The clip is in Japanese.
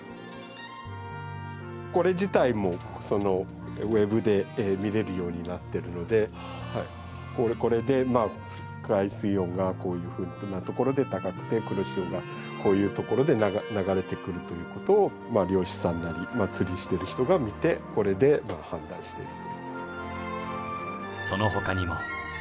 これ自体もウェブで見れるようになっているのでこれで海水温がこういうふうなところで高くて黒潮がこういうところで流れてくるということを漁師さんなり釣りしてる人が見てこれで判断している。